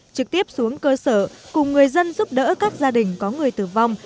trực tiếp xuống cơ sở cùng người dân giúp đỡ các gia đình có người tử vong